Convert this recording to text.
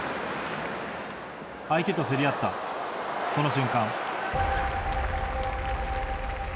相手と競り合った、その瞬間。